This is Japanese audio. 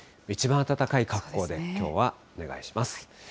一番暖かい格好できょうはお願いします。